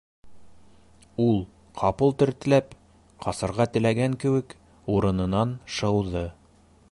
Ул, ҡапыл тертләп, ҡасырға теләгән кеүек, урынынан шыуҙы.